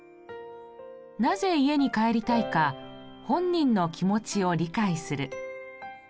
なぜ家に帰りたいか本人の気持ちを理解する。